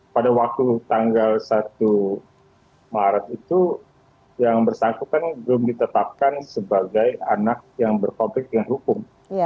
pada waktu tanggal satu maret itu yang bersangkutan belum ditetapkan sebagai anak yang berkonflik dengan hukum